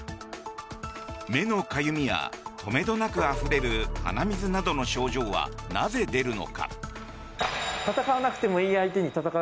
目のかゆみや止めどなくあふれる鼻水などの症状は、なぜ出るのか？